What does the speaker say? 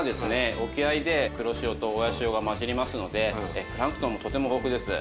沖合で黒潮と親潮が混じりますのでプランクトンもとても豊富です。